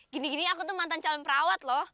gini gini aku tuh mantan calon perawat loh